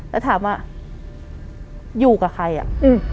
แล้วถามว่าอยู่กับใครอ่ะอืม